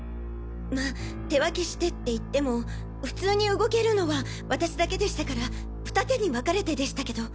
まあ手分けしてって言っても普通に動けるのは私だけでしたから二手に分かれてでしたけど。